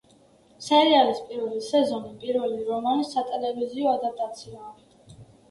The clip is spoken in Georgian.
სერიალის პირველი სეზონი პირველი რომანის სატელევიზიო ადაპტაციაა.